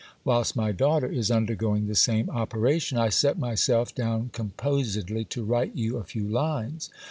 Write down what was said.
Whilst my daughter is undergoing the same operation, I set myself down composedly to write you a few lines.